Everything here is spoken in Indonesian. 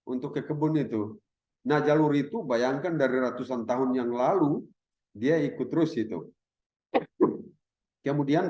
untuk ke kebun itu nah jalur itu bayangkan dari ratusan tahun yang lalu dia ikut terus itu kemudian